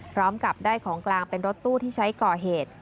พร้อมกับได้ของกลางเป็นรถตู้ที่ใช้ก่อเหตุ